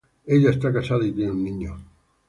Ella está casada y tiene un niño.